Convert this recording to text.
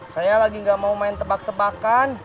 saya lagi gak mau main tebak tebakan